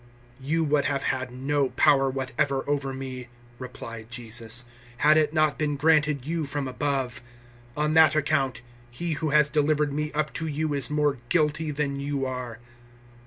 019:011 "You would have had no power whatever over me," replied Jesus, "had it not been granted you from above. On that account he who has delivered me up to you is more guilty than you are."